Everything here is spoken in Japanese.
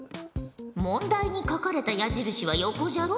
問題に書かれた矢印は横じゃろう？